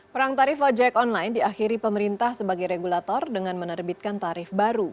perang tarif ojek online diakhiri pemerintah sebagai regulator dengan menerbitkan tarif baru